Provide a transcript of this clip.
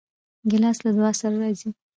ګیلاس له دعا سره راځي.